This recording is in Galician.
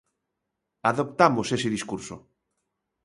Adoptamos ese discurso.